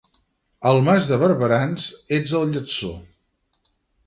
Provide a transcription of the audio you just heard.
Al Mas de Barberans, els del lletsó.